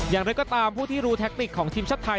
อย่างไรก็ตามผู้ที่รู้แท็กติกของทีมชาติไทย